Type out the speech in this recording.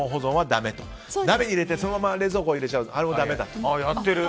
鍋に入れてそのまま鍋に入れちゃう。